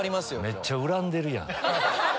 めっちゃ恨んでるやん。